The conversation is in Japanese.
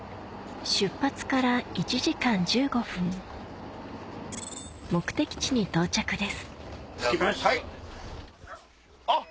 出発から１時間１５分目的地に到着ですあっ！